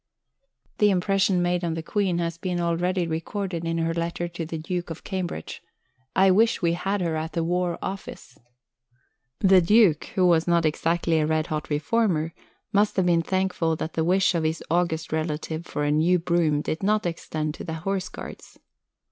The impression made on the Queen has been already recorded in her letter to the Duke of Cambridge: "I wish we had her at the War Office." The Duke, who was not exactly a red hot reformer, must have been thankful that the wish of his August Relative for a new broom did not extend to the Horse Guards.